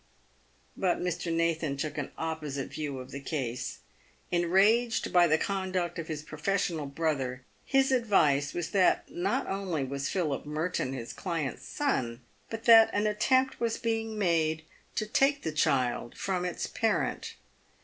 But Mr. Nathan took an opposite view of the case. Enraged by the conduct of his professional brother, his advice was that not only was Philip Merton his client's son, but that an attempt was being made to take the child from its parent.